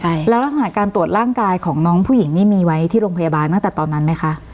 ใช่แล้วลักษณะการตรวจร่างกายของน้องผู้หญิงนี่มีไว้ที่โรงพยาบาลตั้งแต่ตอนนั้นไหมคะ